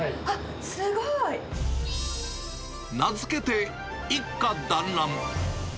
すごい。名付けて一家団らん。